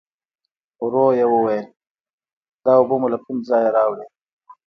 ورو يې وویل: دا اوبه مو له کوم ځايه راوړې؟